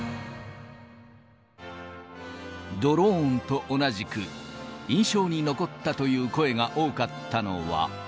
ドローンと同じく、印象に残ったという声が多かったのは。